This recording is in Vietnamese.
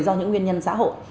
do những nguyên nhân xã hội